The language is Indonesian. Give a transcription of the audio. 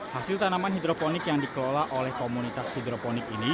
hasil tanaman hidroponik yang dikelola oleh komunitas hidroponik ini